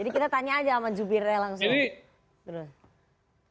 jadi kita tanya aja sama jubire langsung